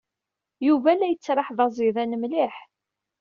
Yuba la yettraḥ d aẓidan mliḥ.